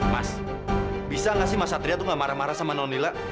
mas bisa nggak sih mas satria tuh gak marah marah sama nonila